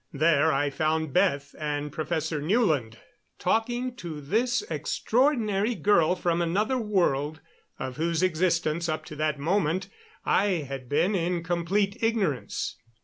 There I found Beth and Professor Newland talking to this extraordinary girl from another world, of whose existence, up to that moment, I had been in complete ignorance.